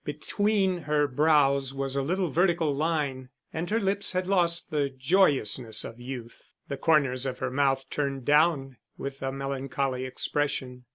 Between her brows was a little vertical line, and her lips had lost the joyousness of youth, the corners of her mouth turned down with a melancholy expression.